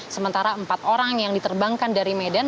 sementara empat orang yang diterbangkan dari medan